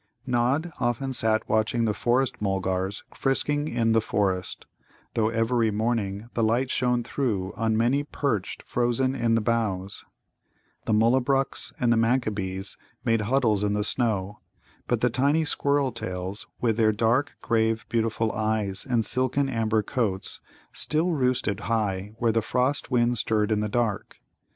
Nod often sat watching the Forest mulgars frisking in the forest, though every morning the light shone through on many perched frozen in the boughs. The Mullabruks and Manquabees made huddles in the snow. But the tiny Squirrel tails, with their dark, grave, beautiful eyes and silken amber coats, still roosted high where the frost wind stirred in the dark.